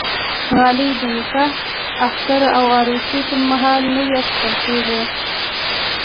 غالۍ د نکاح، اختر او عروسي پرمهال نوی اخیستل کېږي.